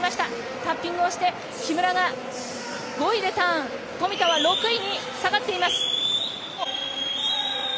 タッピングをして木村が５位でターン富田は６位に下がっています。